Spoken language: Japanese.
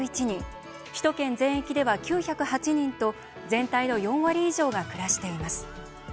首都圏全域では９０８人と全体の４割以上が暮らしています。